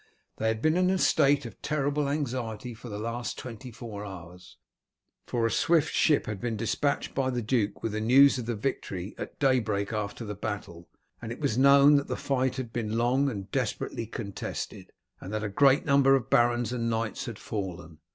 They had been in a state of terrible anxiety for the last twenty four hours, for a swift ship had been despatched by the duke with the news of the victory, at daybreak after the battle, and it was known that the fight had been long and desperately contested, and that a great number of barons and knights had fallen.